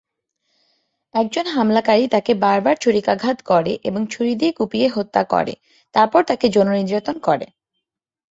একজন হামলাকারী তাকে বারবার ছুরিকাঘাত করে এবং ছুরি দিয়ে কুপিয়ে হত্যা করে, তারপর তাকে যৌন নির্যাতন করে।